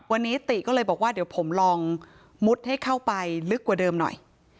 วันนี้ติก็เลยบอกว่าเดี๋ยวผมลองมุดให้เข้าไปลึกกว่าเดิมหน่อย